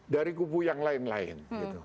dari kubu yang lain lain